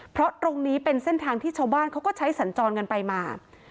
เพราะตรงนี้เป็นเส้นทางที่ชาวบ้านเขาก็ใช้สัญจรกันไปมา